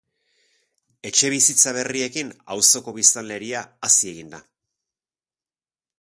Etxebizitza berriekin, auzoko biztanleria hazi egin da.